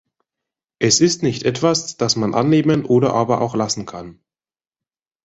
Es ist nicht etwas, das man annehmen oder aber auch lassen kann.